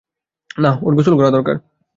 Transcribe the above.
না, ওর গোসল করা দরকার।